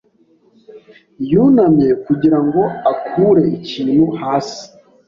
yunamye kugira ngo akure ikintu hasi.